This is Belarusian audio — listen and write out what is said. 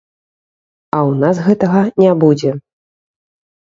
А ў нас гэтага не будзе.